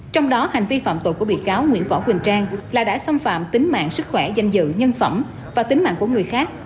trong đó hành vi phạm tội của bị cáo nguyễn võ quỳnh trang là đã xâm phạm tính mạng sức khỏe danh dự nhân phẩm và tính mạng của người khác